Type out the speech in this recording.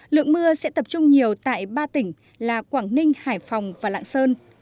lượng mưa sẽ tập trung nhiều tại ba tỉnh là quảng ninh hải phòng và lạng sơn